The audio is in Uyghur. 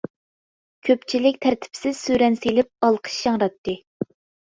كۆپچىلىك تەرتىپسىز سۈرەن سېلىپ، ئالقىش ياڭراتتى.